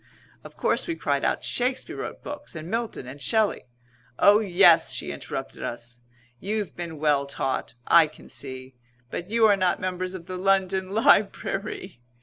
Of course we cried out that Shakespeare wrote books, and Milton and Shelley. "Oh, yes," she interrupted us. "You've been well taught, I can see. But you are not members of the London Library."